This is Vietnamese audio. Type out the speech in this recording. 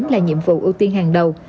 là nhiệm vụ ưu tiên hàng đầu